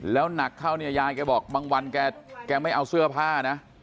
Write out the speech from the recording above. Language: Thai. แล้วหนักเข้าเนี่ยยายแกบอกบางวันแกไม่เอาเสื้อผ้านะ